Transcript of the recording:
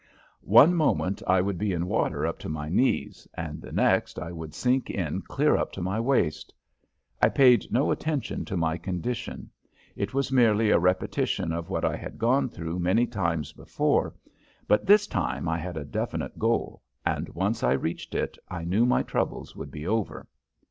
One moment I would be in water up to my knees and the next I would sink in clear up to my waist. I paid no attention to my condition. It was merely a repetition of what I had gone through many times before, but this time I had a definite goal, and, once I reached it, I knew my troubles would be over.